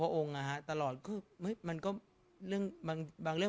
สงฆาตเจริญสงฆาตเจริญ